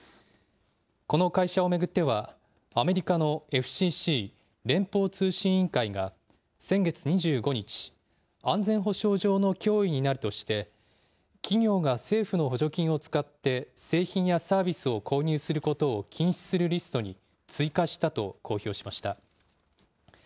この会社を巡ってはアメリカのＦＣＣ・連邦通信委員会が先月２５日、安全保障上の脅威になるとして企業が政府の補助金を使って製品やサービスを購入することを禁止するリストに追加したと公表しました。